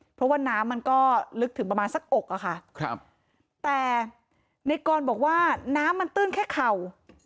เพราะว่าน้ำมันก็ลึกถึงประมาณสักอกอะค่ะครับแต่ในกรบอกว่าน้ำมันตื้นแค่เข่า